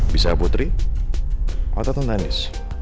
bisa putri atau tante andis